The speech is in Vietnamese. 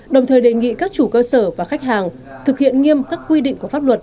đồng thời đề nghị các chủ cơ sở và khách hàng thực hiện nghiêm các quy định của pháp luật